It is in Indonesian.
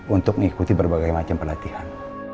untuk mengikuti berbagai macam pelatihan